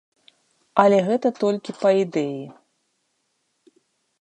Але гэта толькі па ідэі.